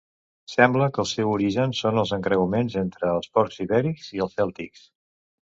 Sembla que el seu origen són els encreuaments entre els porcs ibèrics i els cèltics.